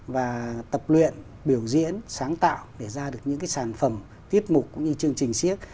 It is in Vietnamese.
và tập luyện biểu diễn sáng tạo để ra được những cái sản phẩm tiết mục cũng như chương trình siếc